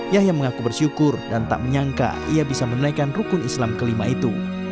yahya mengaku bersyukur dan tak menyangka ia bisa menunaikan rukun islam kelima itu